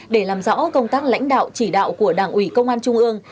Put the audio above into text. để làm rõ công tác lãnh đạo chỉ đạo của đảng ủy công an trung ương